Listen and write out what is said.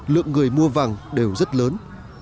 lượng người mua vàng đều rất lớn